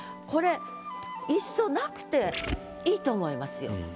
これいっそなくて良いと思いますよ。